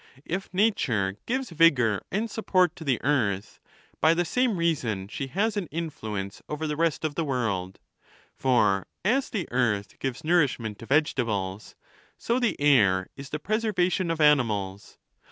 If nature gives vigor and support to the earth, by the same reason she has an influence over the rest of the world ; for as the earth gives nourishment to vegetables, so the air is the preservation of animals.